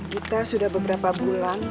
gita sudah beberapa bulan